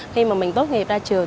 khi mà mình tốt nghiệp ra trường